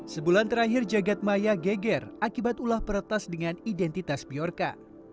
sebulan terakhir jagadmaya geger akibat ulah peretas dengan identitas bjorka